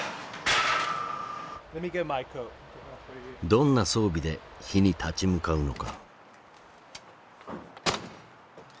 どんな装備で火に立ち向かうのか。